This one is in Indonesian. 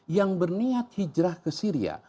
yang berniat hijrah ke syria